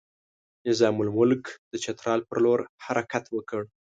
نظام الملک د چترال پر لور حرکت وکړ.